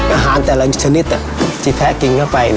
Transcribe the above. อาหารแต่ละชนิดที่แพ้กินเข้าไป